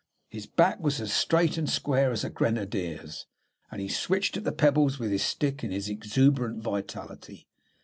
His back was as straight and square as a grenadier's, and he switched at the pebbles with his stick in his exuberant vitality.